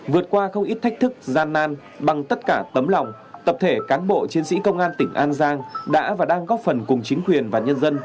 vượt qua không ít thách thức gian nan bằng tất cả tấm lòng tập thể cán bộ chiến sĩ công an tỉnh an giang đã và đang góp phần cùng chính quyền và nhân dân